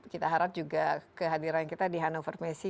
kita harap juga kehadiran kita di handong wormese